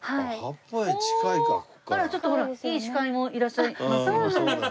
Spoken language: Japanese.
あらちょっとほらいい司会もいらっしゃいますよ。